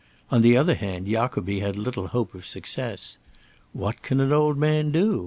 On the other hand Jacobi had little hope of success: "What can an old man do?"